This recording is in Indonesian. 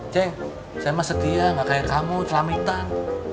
ceng saya emang setia gak kayak kamu celamitan